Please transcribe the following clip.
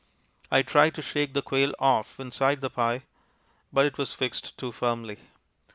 I tried to shake the quail off inside the pie, but it was fixed too firmly.